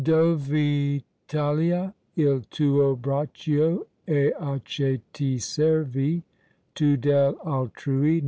Dov' è ITALIA, il tuo braccio? e a che ti servi Tu dell' altrui?